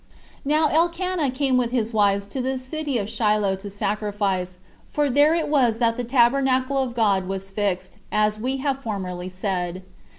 Now Elcanah came with his wives to the city Shiloh to sacrifice, for there it was that the tabernacle of God was fixed, as we have formerly said.